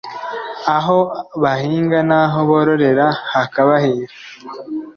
aho bahinga n’aho bororera hakabahira,